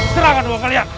serahkan uang kalian